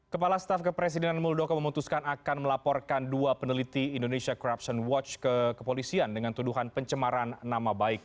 kepala staf kepresidenan muldoko memutuskan akan melaporkan dua peneliti indonesia corruption watch ke kepolisian dengan tuduhan pencemaran nama baik